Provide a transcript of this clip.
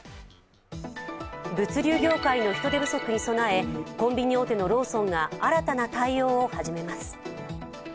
物流業界の人手不足に備えコンビニ大手のローソンが新たな対応を始めます。